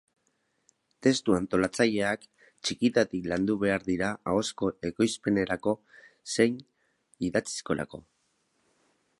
Testu antolatzaileak txikitatik landu behar dira ahozko ekoizpenerako zein idatzizkorako.